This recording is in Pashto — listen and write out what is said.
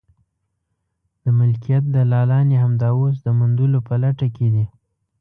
د ملکیت دلالان یې همدا اوس د موندلو په لټه کې دي.